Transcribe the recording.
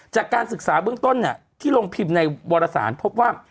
จากการศึกษาเบื้องต้นที่ลงพิมพ์ในวรสารพบว่า